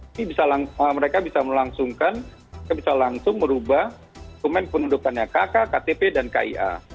ini bisa langsung mereka bisa melangsungkan bisa langsung merubah komitmen penundukannya kk ktp dan kia